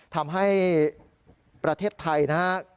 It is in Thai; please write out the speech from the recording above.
ทำให้ประเทศไทยนะฮะ